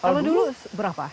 kalau dulu berapa